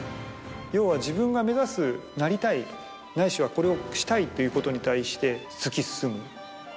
要は自分が目指すなりたいないしはこれをしたいということに対して突き進む。